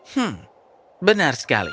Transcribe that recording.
hmm benar sekali